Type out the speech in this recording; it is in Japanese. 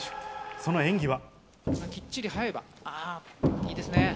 その演技は。